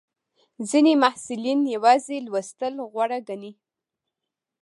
ځینې محصلین یوازې لوستل غوره ګڼي.